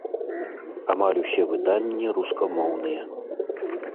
Амаль усе выданні рускамоўныя.